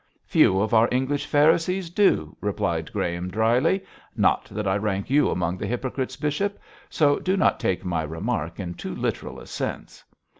'Few of our English Pharisees do,' replied Graham, dryly; 'not that I rank you among the hypocrites, bishop, so do not take my remark in too literal a sense.'